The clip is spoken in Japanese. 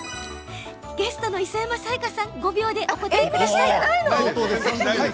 ゲストの磯山さやかさん５秒でお答えください。